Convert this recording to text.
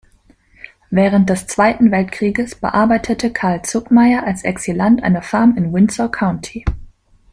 Während des Zweiten Weltkrieges bearbeitete Carl Zuckmayer als Exilant eine Farm in Windsor County.